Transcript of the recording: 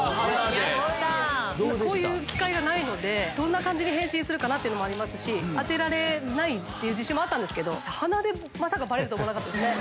こういう機会ないのでどう変身するかってありますし当てられないっていう自信もあったんですけど鼻でまさかバレると思わなかったですね。